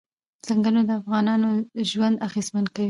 ځنګلونه د افغانانو ژوند اغېزمن کوي.